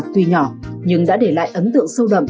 tuy nhỏ nhưng đã để lại ấn tượng sâu đậm